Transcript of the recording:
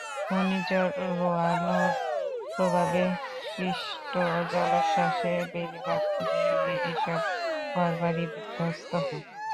ঘূর্ণিঝড় রোয়ানুর প্রভাবে সৃষ্ট জলোচ্ছ্বাসে বেড়িবাঁধ ভেঙে এসব ঘরবাড়ি বিধ্বস্ত হয়।